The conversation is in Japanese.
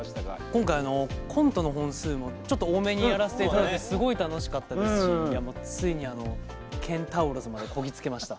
今回コントの本数もちょっと多めにやらせていただいてすごい楽しかったですしついにケンタウロスまでこぎ着けました。